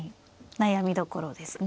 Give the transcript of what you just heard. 悩みどころですね